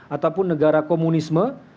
ataupun negara komunisme